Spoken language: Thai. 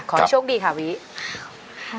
ขอโชคดีค่ะวิขอบคุณค่ะ